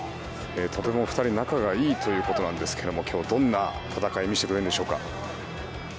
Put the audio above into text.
とても２人仲がいいということなんですが今日、どんな戦いを見せてくれるんでしょうか。